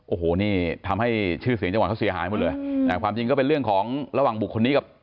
โอ้โหนี่ทำให้ชื่อเสียงจังหวัดเขาเสียหายหมดเลยแต่ความจริงก็เป็นเรื่องของระหว่างบุคคลนี้กับ